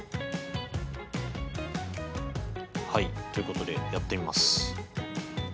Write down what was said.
はいということでやってみます。